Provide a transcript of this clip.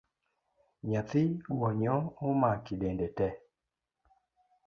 Nyathi gwonyo omaki dende tee